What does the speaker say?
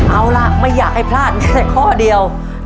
เอาล่ะไม่อยากให้พลาดแม้แต่ข้อเดียว